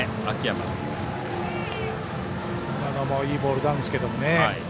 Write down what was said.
今のもいいボールなんですけどね。